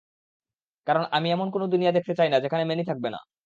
কারণ আমি এমন কোন দুনিয়া দেখতে চাই না যেখানে ম্যানি থাকবে না।